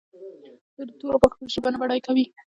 د تورو پاکول ژبه نه بډای کوي.